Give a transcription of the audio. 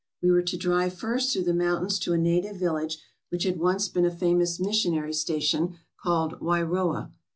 We were to drive first through the mountains to a native village which had once been a famous missionary sta tion, called Wairoa.